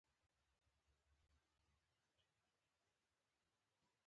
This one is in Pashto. ټاکل شوې وه چې د دریو اونیو له رخصتۍ وروسته به جبهې ته ځم.